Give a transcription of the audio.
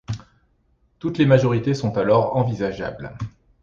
Toutes les majorités sont alors envisageables.